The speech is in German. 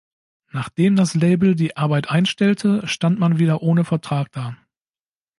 Nachdem das Label die Arbeit einstellte, stand man wieder ohne Vertrag da.